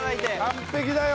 完璧だよ。